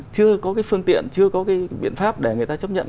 chưa có cái phương tiện chưa có cái biện pháp để người ta chấp nhận